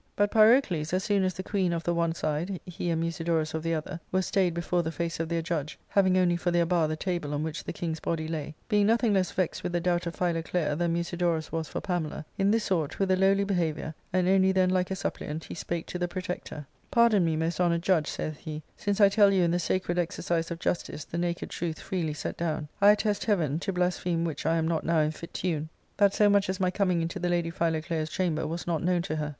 But Pyrocles, as soon as the queen of the one side, he and Musidorus of the other, were stayed before the face of their judge, having only for their bar the table on which the king's body lay, being nothing less vexed with the doubt of Philoclea than Musidorus was for Pamela, in this sort, with a lowly behaviour, and only then like a suppliant, he spake to the protector :—" Pardon me, most honoured judge," saith he, " since I tell you in the sacred exercise of justice the naked truth freely set down. I attest Heaven — to blaspheme which I am not now in fit tune — that so much as my coming into the lady Philoclea's chamber was not known to her.